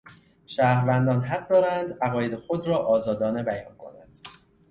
شهروندان حق دارند عقاید خود را آزادانه بیان کنند.